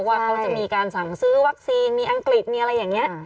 ว่าเขาจะมีการสั่งซื้อวัคซีนมีอังกฤษมีอะไรอย่างนี้